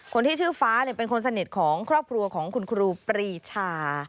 คนที่ชื่อฟ้าเป็นคนสนิทของครอบครัวของคุณครูปรีชา